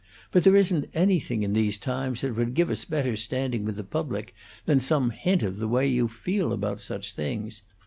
But there isn't anything in these times that would give us better standing with the public than some hint of the way you feel about such things.